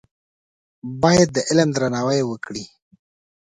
باید د علم درناوی وکړې.